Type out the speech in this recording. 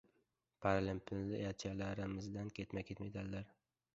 Paralimpiyachilarimizdan ketma-ket medallar